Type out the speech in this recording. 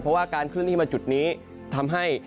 เพราะว่าการเคลื่อนที่มาจุดนี้ทำให้